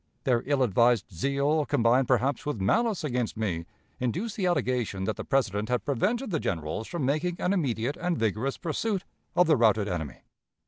Their ill advised zeal, combined perhaps with malice against me, induced the allegation that the President had prevented the generals from making an immediate and vigorous pursuit of the routed enemy.